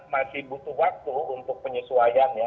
masih butuh waktu untuk penyesuaiannya